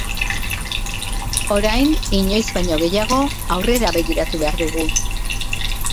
Orain inoiz baino gehiago aurrera begiratu behar dugu.